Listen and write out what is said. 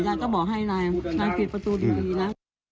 ยายก็บอกให้นายปิดประตูดีนะ